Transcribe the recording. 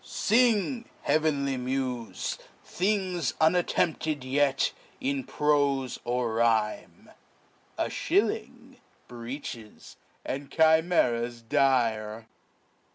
Sing, heavenly mufey Things unattentptedyety in profe or rhime, A Shilling, Breeches, and Chimeras dire.